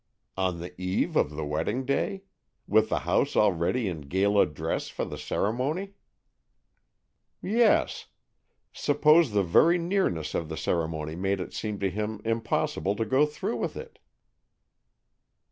"On the eve of the wedding day? With the house already in gala dress for the ceremony?" "Yes, suppose the very nearness of the ceremony made it seem to him impossible to go through with it."